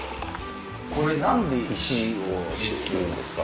これなんで石を入れるんですか？